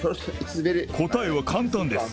答えは簡単です。